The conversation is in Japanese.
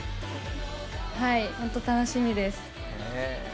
はい、ホント楽しみです。